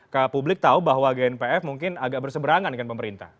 ke publik tahu bahwa gnpf mungkin agak berseberangan dengan pemerintah